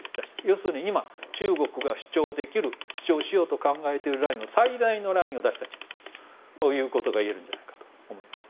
要するに今、中国が主張できる主張しようと考えている最大のラインを出した地図ということがいえるんじゃないかと思います。